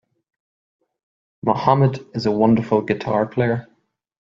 Mohammed is a wonderful guitar player.